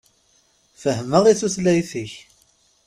Fehhmeɣ i tutlayt-ik.